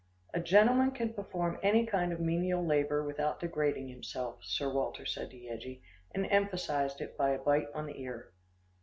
"A gentleman can perform any kind of menial labour without degrading himself," Sir Walter said to Yeggie, and emphasised it by a bite on the ear.